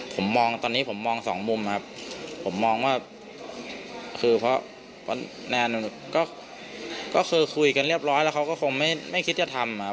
ผมมองตอนนี้ผมมองสองมุมครับผมมองว่าคือเพราะแน่นอนก็คือคุยกันเรียบร้อยแล้วเขาก็คงไม่คิดจะทำครับ